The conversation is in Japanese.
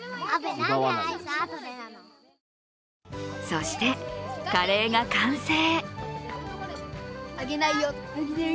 そして、カレーが完成。